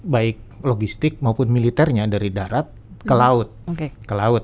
baik logistik maupun militernya dari darat ke laut